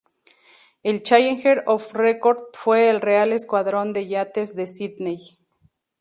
El "Challenger of Record" fue el Real Escuadrón de Yates de Sídney.